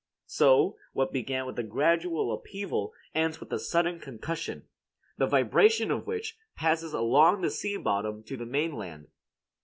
So what began with a gradual upheaval ends with a sudden concussion, the vibration of which passes along the sea bottom to the mainland.